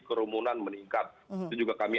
kerumunan meningkat itu juga kami